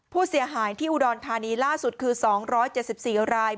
ผู้เสียหายที่อุดรธานีล่าสุดคือ๒๗๔ราย